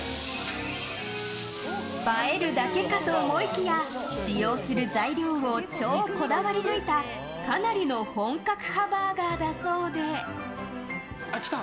映えるだけかと思いきや使用する材料を超こだわり抜いたかなりの本格派バーガーだそうで。来た。